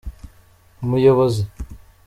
umuyobozi.